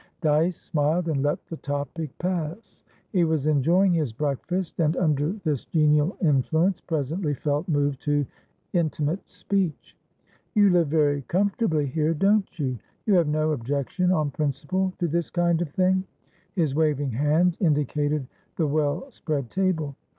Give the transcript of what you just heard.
Dyce smiled, and let the topic pass. He was enjoying his breakfast, and, under this genial influence, presently felt moved to intimate speech. "You live very comfortably here, don't you? You have no objection on principle to this kind of thing?"his waving hand indicated the well spread table.